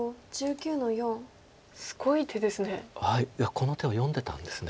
この手を読んでたんです。